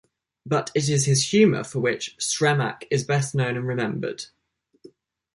But it is his humor for which Sremac is best known and remembered.